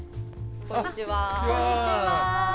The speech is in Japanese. こんにちは。